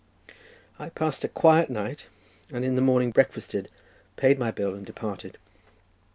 I passed a quiet night, and in the morning breakfasted, paid my bill, and departed.